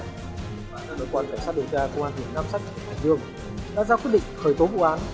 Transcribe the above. bạn đã đối quan lãnh sát điều tra công an huyện nam sách hải dương đã giao quyết định khởi tố vụ án